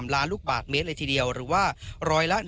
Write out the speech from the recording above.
๓ล้านลูกบาทเมตรอีกทีเดียวหรือว่าร้อยละ๑๐๗ของความจุอ่างแน่นอนว่าเกินความจุ